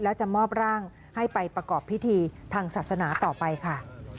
และจะมอบร่างให้ไปประกอบพิธีทางศาสนาต่อไปค่ะ